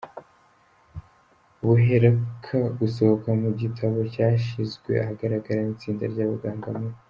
buheruka gusohoka mu gitabo cyashyizwe ahagaagara n’itsinda ry’abaganga mu